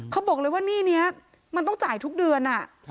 เขาบอกเลยว่าหนี้นี้มันต้องจ่ายทุกเดือน